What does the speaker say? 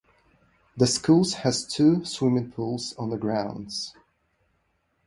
The schools has two swimming pools on the grounds.